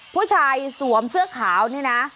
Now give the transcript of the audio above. ผู้ชายสวมเสื้อขาวนี่นะ